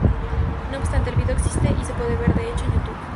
No obstante, el vídeo existe y se puede ver, de hecho, en YouTube.